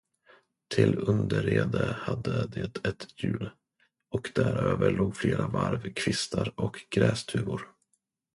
Till underrede hade det ett hjul, och däröver låg flera varv kvistar och grästuvor.